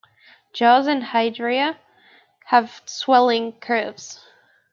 Jars and hydria have swelling curves.